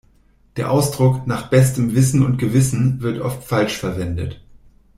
Der Ausdruck "nach bestem Wissen und Gewissen" wird oft falsch verwendet